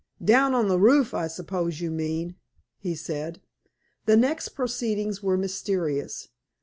"Down on the roof, I suppose you mean," he said. The next proceedings were mysterious.